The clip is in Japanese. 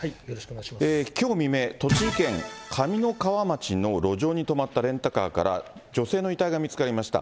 きょう未明、栃木県上三川町の路上に止まったレンタカーから、女性の遺体が見つかりました。